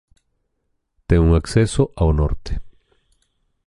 Ten un acceso ao norte.